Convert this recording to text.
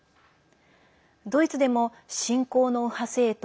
ドイツでも新興の右派政党